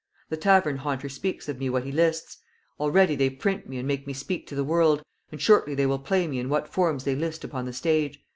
The tavern haunter speaks of me what he lists. Already they print me and make me speak to the world, and shortly they will play me in what forms they list upon the stage.